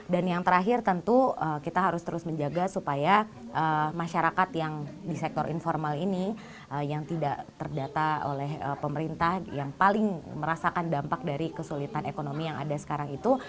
dan yang terakhir tentu kita harus terus menjaga supaya masyarakat yang di sektor informal ini yang tidak terdata oleh pemerintah yang paling merasakan dampak dari kesulitan ekonomi yang ada sekarang itu